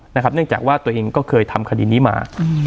เนื่องจากว่าตัวเองก็เคยทำคดีนี้มา